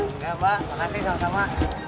enggak mbak makasih sama sama